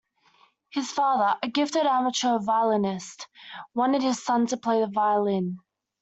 His father, a gifted amateur violinist, wanted his son to play the violin.